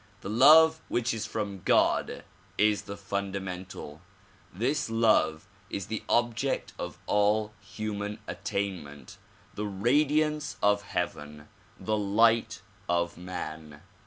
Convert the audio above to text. The love which is from God is the fundamental. This love is the object of all human attainment, the radiance of heaven, the light of man.